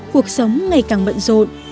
cuộc sống ngày càng bận rộn